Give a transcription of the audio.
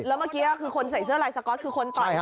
แล้วเมื่อกี้คือคนใส่เสื้อลายสก๊อตคือคนต่อย